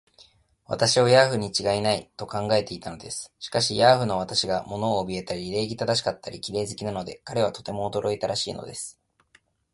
私をヤーフにちがいない、と考えていたのです。しかし、ヤーフの私が物をおぼえたり、礼儀正しかったり、綺麗好きなので、彼はとても驚いたらしいのです。